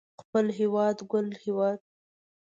خپل هيواد ګل هيواد